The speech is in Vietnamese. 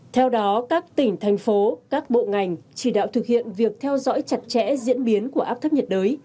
theo đó các tỉnh thành phố các bộ ngành chỉ đạo thực hiện việc theo dõi chặt chẽ diễn biến của áp thấp nhiệt đới